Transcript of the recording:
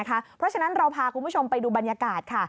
เพราะฉะนั้นเราพาคุณผู้ชมไปดูบรรยากาศค่ะ